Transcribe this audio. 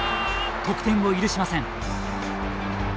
得点を許しません。